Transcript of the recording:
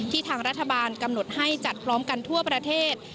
ทางรัฐบาลกำหนดให้จัดพร้อมกันทั่วประเทศ